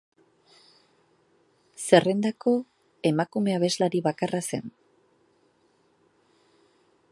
Zerrendako emakume abeslari bakarra zen.